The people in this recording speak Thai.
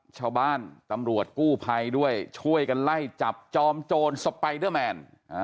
ชาวบ้านตำรวจกู้ภัยด้วยช่วยกันไล่จับจอมโจรสไปเดอร์แมน